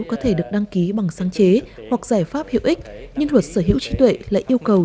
có thể được đăng ký bằng sáng chế hoặc giải pháp hiệu ích nhưng luật sở hữu trí tuệ lại yêu cầu